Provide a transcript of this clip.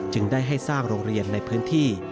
ได้ให้สร้างโรงเรียนในพื้นที่